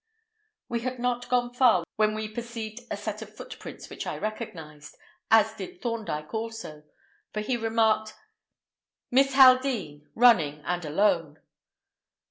We had not gone far when we perceived a set of footprints which I recognized, as did Thorndyke also, for he remarked: "Miss Haldean—running, and alone."